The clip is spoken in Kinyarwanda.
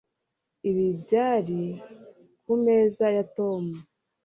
ibi byari kumeza ya tom